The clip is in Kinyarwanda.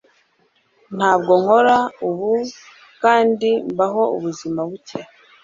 Ntabwo nkora ubu kandi mbaho ubuzima buke